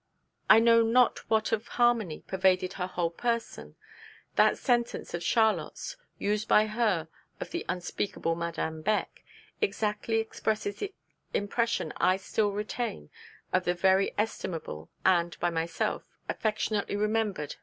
'I know not what of harmony pervaded her whole person': that sentence of Charlotte's (used by her of the unspeakable Madame Beck) exactly expresses the impression I still retain of the very estimable and, by myself, affectionately remembered, Madame Heger.